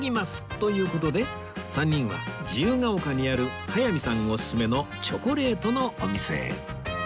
という事で３人は自由が丘にある早見さんおすすめのチョコレートのお店へ